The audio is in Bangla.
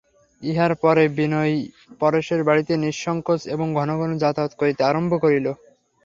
ইহার পরে বিনয় পরেশের বাড়িতে নিঃসংকোচে এবং ঘন ঘন যাতায়াত করিতে আরম্ভ করিল।